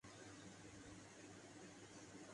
میں ان کو دیکھتا اور کچھ سوچے بغیر ہی یہاں سے گزر جاتا